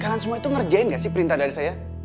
kalian semua itu ngerjain gak sih perintah dari saya